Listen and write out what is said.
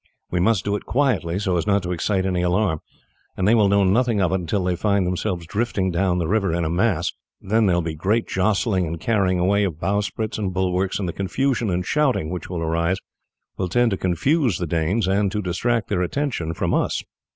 We must do it quietly so as not to excite any alarm, and they will know nothing of it until they find themselves drifting down the river in a mass. Then there will be great jostling and carrying away of bowsprits and bulwarks, and the confusion and shouting which will arise will tend to confuse the Danes and to distract their attention from us."